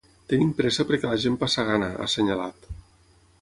Tenim pressa perquè la gent passa gana, ha assenyalat.